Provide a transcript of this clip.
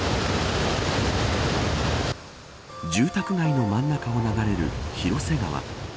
住宅街の真ん中を流れる広瀬川。